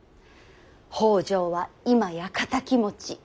北条は今や敵持ち。